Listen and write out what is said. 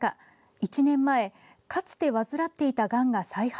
１年前、かつて患っていたがんが再発。